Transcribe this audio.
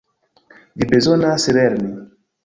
Vi bezonas lerni.